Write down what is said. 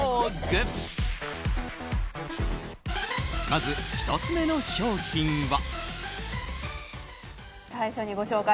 まず１つ目の商品は。